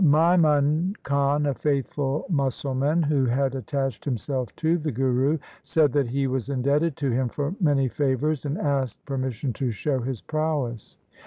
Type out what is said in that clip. Maimun Khan, a faithful Musalman who had attached himself to the Guru, said that he was indebted to him for many favours, and asked per mission to show his prowess.